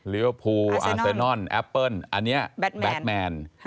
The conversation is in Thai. เรียกว่าภูอาเซนอนแอปเปิลอันนี้แบทแมน